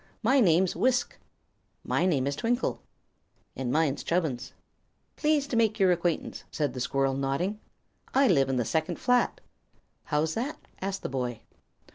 My name's Wisk." "My name is Twinkle." "And mine's Chubbins." "Pleased to make your acquaintance," said the squirrel, nodding. "I live in the second flat." "How's that?" asked the boy.